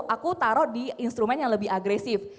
aku taruh di instrumen yang lebih agresif